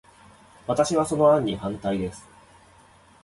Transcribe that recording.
私は、その案に反対です。